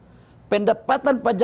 ini saya ngomong apa adanya aja